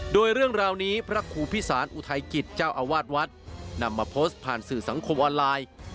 โดยเรื่องราวนี้พระครูพิสารอุทัยกิจเจ้าอาวาสวัดนำมาโพสต์ผ่านสื่อสังคมออนไลน์